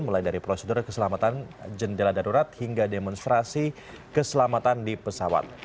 mulai dari prosedur keselamatan jendela darurat hingga demonstrasi keselamatan di pesawat